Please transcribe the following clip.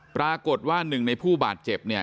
ปรากฏว่าหนึ่งในผู้บาดเจ็บเนี่ย